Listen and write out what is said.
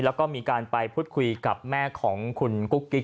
แล้วก็มีการไปพูดคุยกับแม่ของคุณกุ๊กกิ๊ก